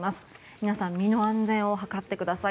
皆さん身の安全を図ってください。